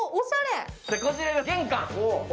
こちらが玄関。